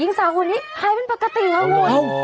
ยิ่งสาวคนนี้หายเป็นปกติแล้ว